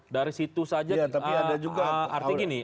dari situ saja artinya gini